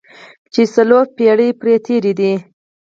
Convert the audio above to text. چې څلور پېړۍ پرې تېرې دي.